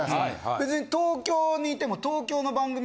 別に東京に居ても。